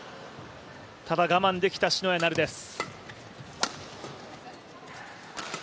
ただ我慢できた篠谷菜留です。